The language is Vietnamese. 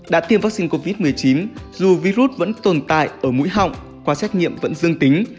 đã tiêm vaccine covid một mươi chín dù virus vẫn tồn tại ở mũi họng qua xét nghiệm vẫn dương tính